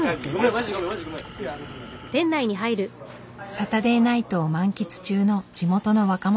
サタデーナイトを満喫中の地元の若者たち。